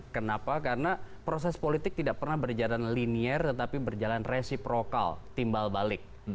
kenapa karena proses politik tidak pernah berjalan linier tetapi berjalan resiprokal timbal balik